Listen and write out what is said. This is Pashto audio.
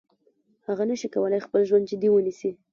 هغه نشي کولای خپل ژوند جدي ونیسي.